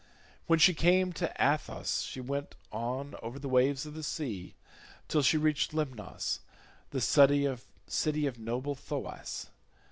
When she came to Athos she went on over the waves of the sea till she reached Lemnos, the city of noble Thoas.